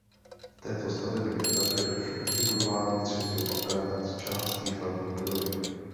V této stavební etapě došlo k vybudování třetího patra nad částí hlavní budovy.